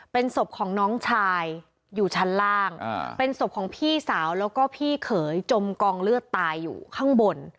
เป็นศพของน้องชายอยู่ชั้นล่างเป็นศพของพี่สาวแล้วก็พี่เขยจมกองเลือดตายอยู่ข้างบน